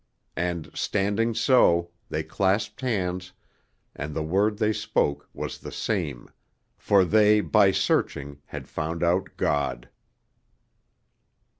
And, standing so, they clasped hands, and the word they spoke was the same, for they by searching had found out God.